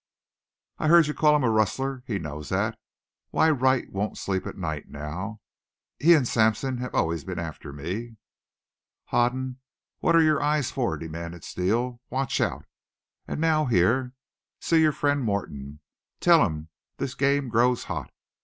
"I heard you call him rustler. He knows thet. Why, Wright won't sleep at night now. He an' Sampson have always been after me." "Hoden, what are your eyes for?" demanded Steele. "Watch out. And now here. See your friend Morton. Tell him this game grows hot.